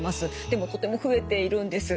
でもとても増えているんです。